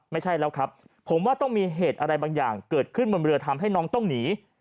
ไม่ใช่แล้วครับผมว่าต้องมีเหตุอะไรบางอย่างเกิดขึ้นบนเรือทำให้น้องต้องหนี